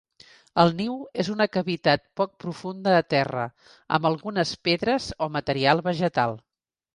El niu és una cavitat poc profunda a terra, amb algunes pedres o material vegetal.